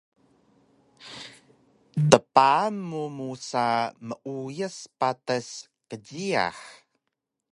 tpaan mu musa meuyas patas kdjiyax